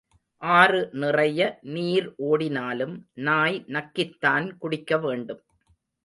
ஆறு நிறைய நீர் ஓடினாலும் நாய் நக்கித்தான் குடிக்க வேண்டும்.